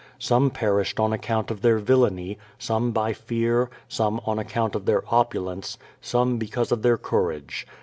Some per ished on account of their villany, some by fear, some on ac count of their opulence, some because of their courage.